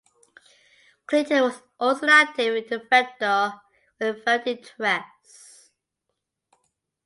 Clinton was also an active inventor with varied interests.